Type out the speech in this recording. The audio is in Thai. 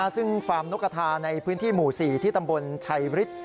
ซึ่งฟาร์มนกกระทาในพื้นที่หมู่๔ที่ตำบลชัยฤทธิ์